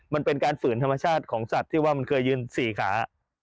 มันเป็นการฝืนธรรมชาติของสัตว์ที่ว่ามันเคยยืน๔ขา